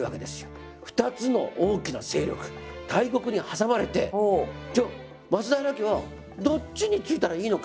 ２つの大きな勢力大国に挟まれてじゃあ松平家はどっちについたらいいのか。